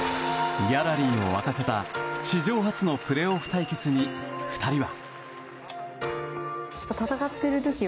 ギャラリーを沸かせた史上初のプレーオフ対決に２人は。